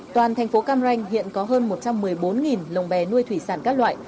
toàn thành phố cam ranh hiện có hơn một trăm một mươi bốn lồng bè nuôi thủy sản các loại